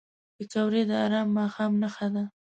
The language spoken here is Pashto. پکورې د ارام ماښام نښه ده